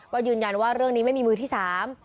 ก็ยืนยันว่าเรื่องนี้ไม่มีมือที่สาม